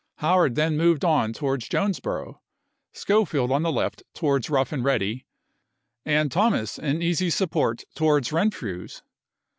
Howard then moved on towards Jonesboro, Schofield on the left towards Rough and Ready, and Thomas in easy support towards Renfrew's.